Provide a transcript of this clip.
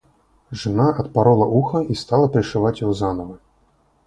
Жена отпорола ухо и стала пришивать его заново.